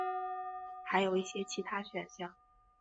还有一些其他选项。